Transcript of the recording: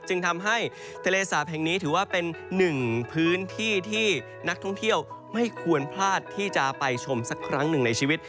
จึงทำให้ทะเลสาปแห่งนี้ถือว่าเป็นหนึ่งพื้นที่ที่นักท่องเที่ยวไม่ควรพลาดที่จะไปชมสักครั้งหนึ่งในชีวิต